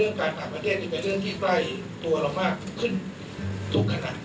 ร่วงการต่างประเทศมีการฝ่ายตัวเรามากขึ้นทุก